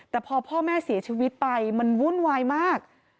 แต่พอพ่อแม่เสียชีวิตไปมันวุ่นวายมาก